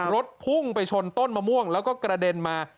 รถพุ่งไปชนต้นมะม่วงแล้วก็กระเด็นมา